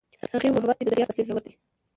هغې وویل محبت یې د دریاب په څېر ژور دی.